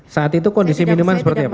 saat itu kondisi minuman seperti apa